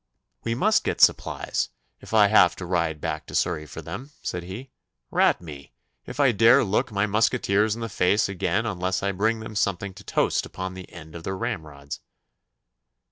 'We must get supplies, if I have to ride back to Surrey for them,' said he. 'Rat me, if I dare look my musqueteers in the face again unless I bring them something to toast upon the end of their ramrods!